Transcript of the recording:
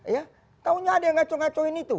ya taunya ada yang ngaco ngacoin itu